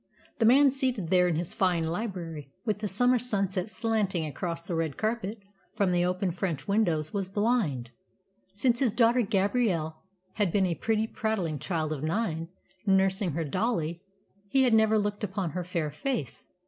The man seated there in his fine library, with the summer sunset slanting across the red carpet from the open French windows, was blind. Since his daughter Gabrielle had been a pretty, prattling child of nine, nursing her dolly, he had never looked upon her fair face.